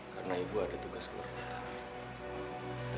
karena ibu ada tugas keluarga kita